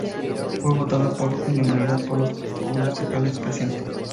Fue votada por unanimidad por los concejales presentes.